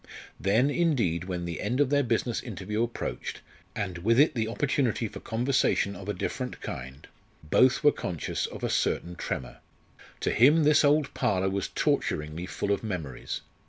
Then, indeed, when the end of their business interview approached, and with it the opportunity for conversation of a different kind, both were conscious of a certain tremor. To him this old parlour was torturingly full of memories.